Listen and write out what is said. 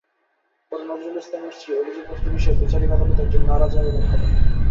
পরে নজরুল ইসলামের স্ত্রী অভিযোগপত্রের বিষয়ে বিচারিক আদালতে একটি নারাজি আবেদন করেন।